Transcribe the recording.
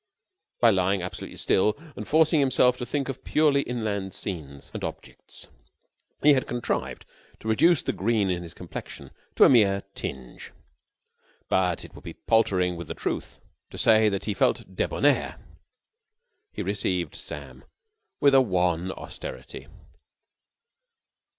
By lying absolutely still and forcing himself to think of purely inland scenes and objects he had contrived to reduce the green in his complexion to a mere tinge. But it would be paltering with the truth to say that he felt debonair. He received Sam with a wan austerity.